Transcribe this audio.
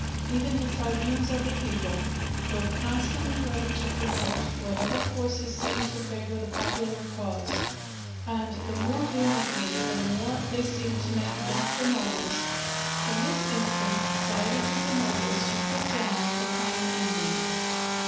Even the tribunes of the people, though constantly ready to promote whatever courses seemed to favour the popular cause, and the more vehemently the more they seemed to make against the nobles, in this instance sided with the nobles to put down the common enemy.